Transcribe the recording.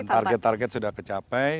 dan target target sudah tercapai